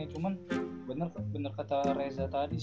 cuman bener kata reza tadi